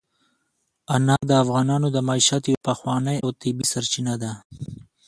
انار د افغانانو د معیشت یوه پخوانۍ او طبیعي سرچینه ده.